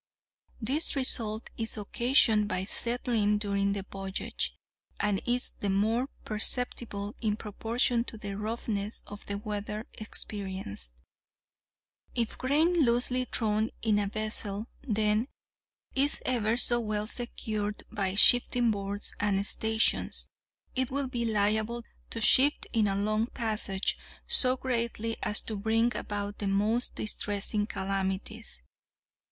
This result is occasioned by settling during the voyage, and is the more perceptible in proportion to the roughness of the weather experienced. If grain loosely thrown in a vessel, then, is ever so well secured by shifting boards and stanchions, it will be liable to shift in a long passage so greatly as to bring about the most distressing calamities.